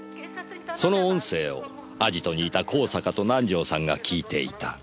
その音声をアジトにいた香坂と南条さんが聞いていた。